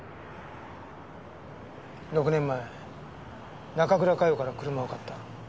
６年前中倉佳世から車を買った。